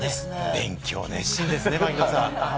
勉強熱心ですね、槙野さん。